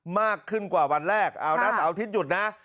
มากขึ้นกว่าวันแรกเอานะแต่อาทิตยุดนะ